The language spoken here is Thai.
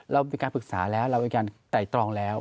เรามีการปรึกษาแล้วเรามีการไต่ตรองแล้ว